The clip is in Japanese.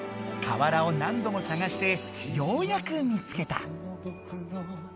かわらをなんどもさがしてようやく見つけた。